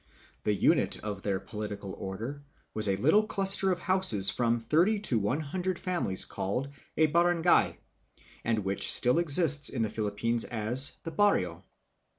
The unit of their political order was a little cluster of houses of from thirty to one hundred families, called a " barangay," which still exists in the Philippines as the "barrio."